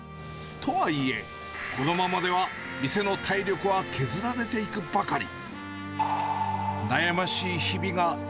とはいえ、このままでは、店の体力は削られていくばかり。